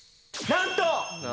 なんと？